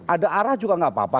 ada arah juga nggak apa apa